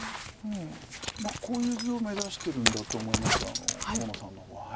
こういう図を目指してるんだと思います河野さんの方は。